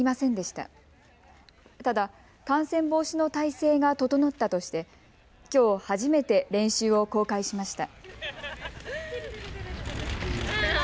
ただ、感染防止の態勢が整ったとしてきょう初めて練習を公開しました。